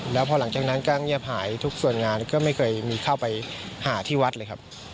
แล้วพอหลังจากนั้นก็เงียบหายทุกส่วนงานก็ไม่เคยมีเข้าไปหาที่วัดเลยครับ